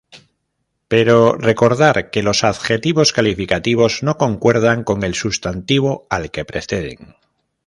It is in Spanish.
Pero recordar que los adjetivos calificativos no concuerdan con el sustantivo al que preceden.